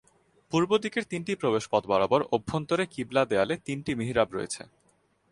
পূর্বদিকের তিনটি প্রবেশ পথ বরাবর অভ্যন্তরে কিবলা দেয়ালে তিনটি মিহরাব রয়েছে।